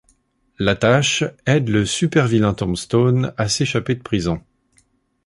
La Tache aide le super-vilain Tombstone à s'échapper de prison.